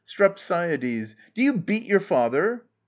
STREPSIADES. Do you beat your own father?